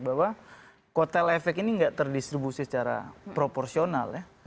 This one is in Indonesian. bahwa kuotalefek ini tidak terdistribusi secara proporsional ya